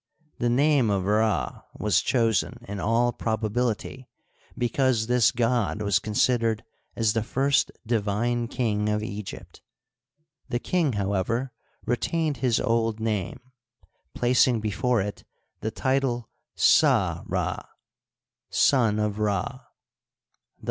The name of Rd was chosen, in all probability, because this god was considered as the first divine king of Egypt. The king, however, re tained his old name, placing before it the title Sa Rd, " Son of Rd."